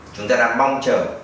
chúng ta đang mong chờ